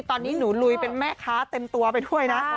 ตอนนี้หนูลุยเป็นแม่ค้าเต็มตัวไปด้วยนะ